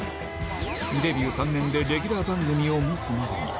デビュー３年でレギュラー番組を持つまでに。